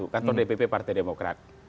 kantor dpp partai demokrat